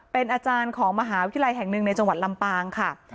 เป็นอาจารย์ของมหาวิทยาลัยแห่งหนึ่งในจังหวัดลำปางค่ะ